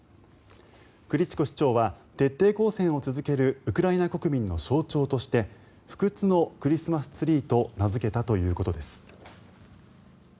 クリチコ市長は徹底抗戦を続けるウクライナ国民の象徴として不屈のクリスマスツリーと名付けたということです。